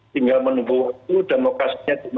tinggal menubuh waktu dan lokasinya di mana